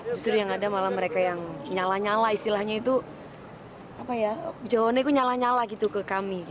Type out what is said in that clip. justru yang ada malah mereka yang nyala nyala istilahnya itu jawabannya itu nyala nyala gitu ke kami